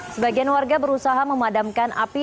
sebagian warga berusaha memadamkan api